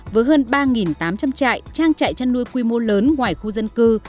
với hơn ba tám trăm linh trại trang trại chăn nuôi quy mô lớn ngoài khu dân cư